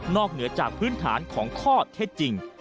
เหนือจากพื้นฐานของข้อเท็จจริง